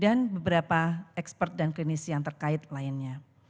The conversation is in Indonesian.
dan beberapa pemerintah expert dan klinisi yang terkait lainnya